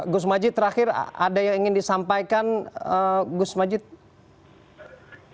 gus majid terakhir ada yang ingin disampaikan gus majid